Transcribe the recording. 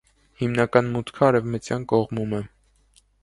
Հիմնական մուտքը արևմտյան կողմում է։